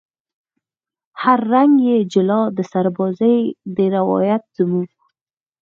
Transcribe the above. هر رنگ یې جلا د سربازۍ دی روایت زموږ